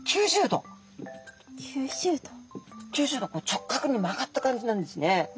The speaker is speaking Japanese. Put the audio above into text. ９０度直角に曲がった感じなんですね。